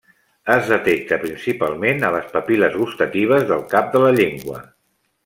Es detecta principalment a les papil·les gustatives del cap de la llengua.